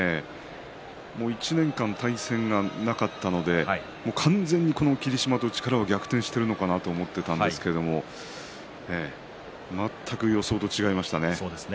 １年間、対戦がなかったので完全に霧島と力は逆転しているのかなと思っていたんですけど全く予想と違いましたね。